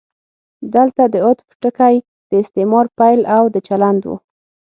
دلته د عطف ټکی د استعمار پیل او د چلند و.